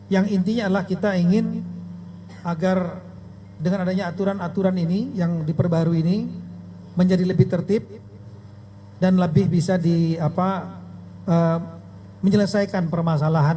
yang intinya adalah kita ingin agar dengan adanya aturan aturan ini yang diperbarui ini menjadi lebih tertib dan lebih bisa menyelesaikan permasalahan